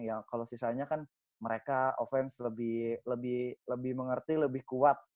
ya kalau sisanya kan mereka offense lebih mengerti lebih kuat